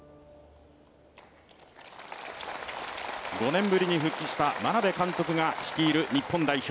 ５年ぶりに復帰した眞鍋監督が率いる日本代表。